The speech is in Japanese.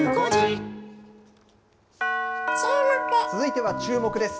続いては、チューモク！です。